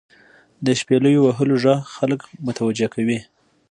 • د شپیلو وهلو ږغ خلک متوجه کوي.